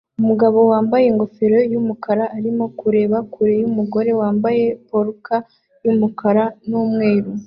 Umugabo wambaye ingofero yumukara arimo kureba kure yumugore wambaye polka yumukara numweru